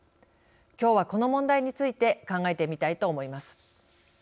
きょうはこの問題について考えてみたいと思います。